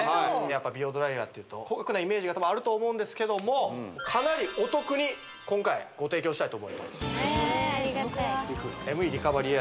やっぱり美容ドライヤーというと高額なイメージがあると思いますけどかなりお得に今回ご提供したいと思いますえー